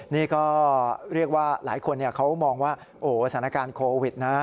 นี่ก็เรียกว่าหลายคนเขามองว่าโอ้สถานการณ์โควิดนะ